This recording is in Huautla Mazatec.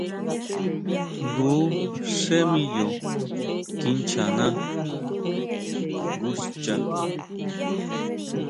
Jngu xé miyo kinchana nguxcha.